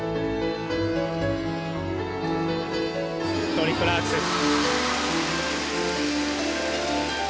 トリプルアクセル。